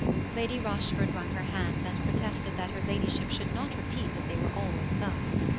Lady Rochford wrung her hands and protested that her ladyship should not repeat that they were always thus.